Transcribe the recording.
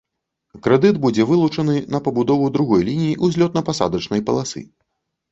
Крэдыт будзе вылучаны на пабудову другой лініі ўзлётна-пасадачнай паласы.